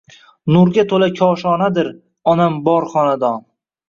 Nurga tula koshonadir onam bor xonadon